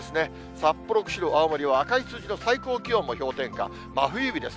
札幌、釧路、青森は赤い数字の最高気温も氷点下、真冬日です。